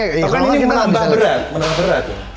tapi ini menambah berat menambah berat